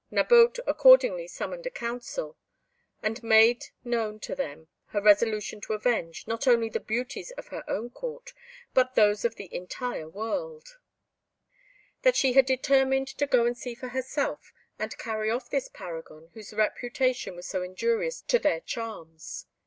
Nabote accordingly summoned a council, and made known to them her resolution to avenge, not only the beauties of her own court, but those of the entire world; that she had determined to go and see for herself, and carry off this paragon whose reputation was so injurious to their charms.